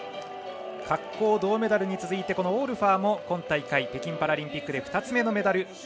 滑降、銅メダルに続いてオールファーも今大会、北京パラリンピック２つ目のメダル。